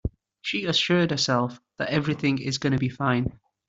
She assured herself that everything is gonna be fine.